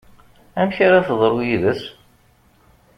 Amek ara teḍru yid-s?